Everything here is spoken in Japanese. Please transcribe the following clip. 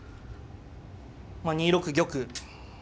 まあ２六玉。